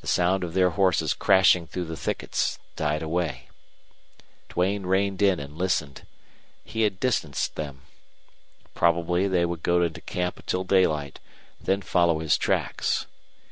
The sound of their horses crashing through the thickets died away. Duane reined in and listened. He had distanced them. Probably they would go into camp till daylight, then follow his tracks.